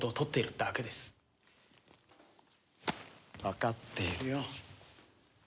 わかっているよ。